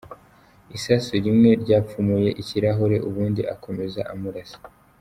Isasu rimwe ryapfumuye ikirahure ubundi akomeza amurasa.